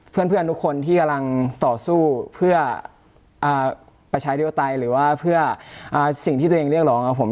เพื่อนทุกคนที่กำลังต่อสู้เพื่อประชาธิปไตยหรือว่าเพื่อสิ่งที่ตัวเองเรียกร้องครับผม